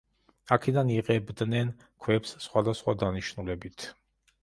აქედან იღებდნენ ქვებს სხავდასხვა დანიშნულებით.